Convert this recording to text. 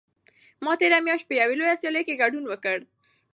ما تېره میاشت په یوې لویه سیالۍ کې ګډون وکړ.